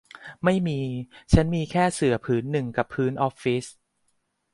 ไม่มี ฉันมีแค่เสื่อผืนหนึ่งกับพื้นออฟฟิศ